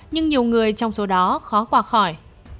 nhưng nhiều người trong số đó khó quả khỏi